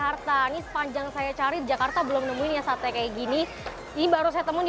harta ini sepanjang saya cari jakarta belum nemuin yang sate kayak gini ini baru saya temu di